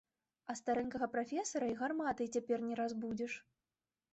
А старэнькага прафесара і гарматай цяпер не разбудзіш.